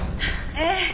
ええ。